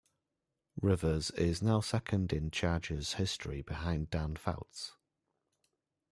Rivers is now second in Chargers' history behind Dan Fouts.